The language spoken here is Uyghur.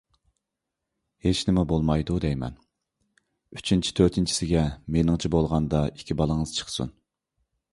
ھېچنىمە بولمايدۇ دەيمەن. ئۈچىنچى، تۆتىنچىسىگە مېنىڭچە بولغاندا ئىككى بالىڭىز چىقسۇن.